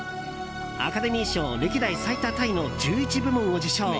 アカデミー賞歴代最多タイの１１部門を受賞。